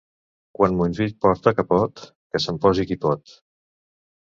Quan Montjuïc porta capot, que se'n posi qui pot.